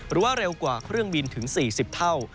หรือว่าเร็วกว่าเครื่องบินถึง๔๐เท่า